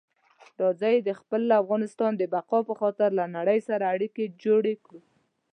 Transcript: راځئ د خپل افغانستان د بقا په خاطر له نړۍ سره اړیکي جوړې کړو.